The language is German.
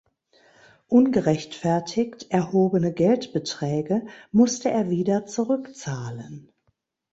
Ungerechtfertigt erhobene Geldbeträge musste er wieder zurückzahlen.